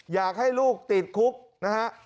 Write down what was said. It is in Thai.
อยากให้ลูกติดคุกนะฮะ